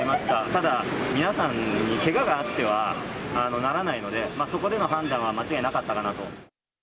ただ、皆さんにけががあってはならないので、そこでの判断は間違いなかったかなと。